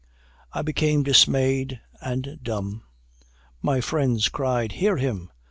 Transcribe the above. I became dismayed and dumb. My friends cried 'Hear him!'